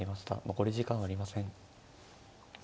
残り時間はありません。